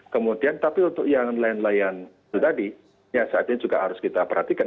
kemudian tapi untuk yang nelayan nelayan itu tadi ya saat ini juga harus kita perhatikan